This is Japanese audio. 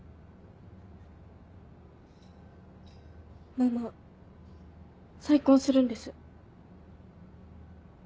ママ再婚するんです。